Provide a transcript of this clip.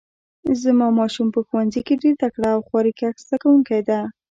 زما ماشوم په ښوونځي کې ډیر تکړه او خواریکښ زده کوونکی ده